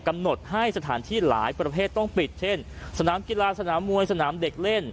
กำหนดให้สถานที่หลายประเภทต้องปิดเช่นสนามกีฬาสนามมวยสนามเด็กเล่น